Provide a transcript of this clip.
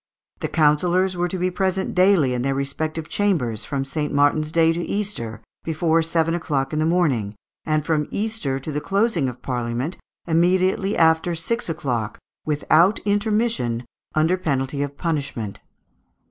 The councillors were to be present daily in their respective chambers, from St. Martin's day to Easter, before seven o'clock in the morning; and from Easter to the closing of Parliament, immediately after six o'clock, without intermission, under penalty of punishment.